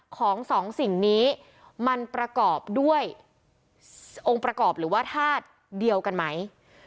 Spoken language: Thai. ของสองสิ่งนี้มันประกอบด้วยองค์ประกอบหรือว่าธาตุเดียวกันไหม